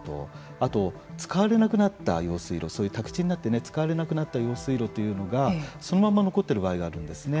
あと、使われなくなった用水路そういう宅地になって使われなくなった用水路というのがそのまま残っている場合があるんですね。